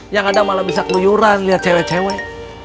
yang ada malah bisa keluyuran lihat cewek cewek